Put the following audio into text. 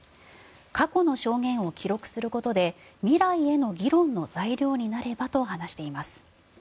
過去の証言を記録することで未来への議論の材料になればと話しています。